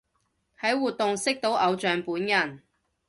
喺活動識到偶像本人